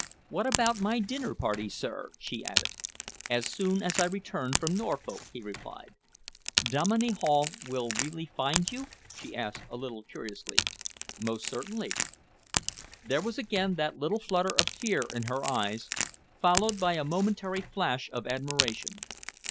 "What about my dinner party, sir?" she added. "As soon as I return from Norfolk," he replied. "Dominey Hall will really find you?" she asked a little curiously. "Most certainly!" There was again that little flutter of fear in her eyes, followed by a momentary flash of admiration.